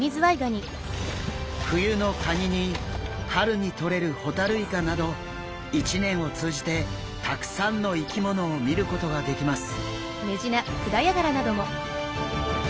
冬のカニに春にとれるホタルイカなど一年を通じてたくさんの生き物を見ることができます。